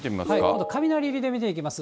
今度、雷入りで見ていきます。